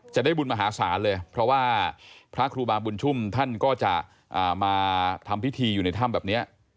จะได้บุญมหาศาลเลยเพราะว่าพระครูบาบุญชุ่มท่านก็จะมาทำพิธีอยู่ในถ้ำแบบนี้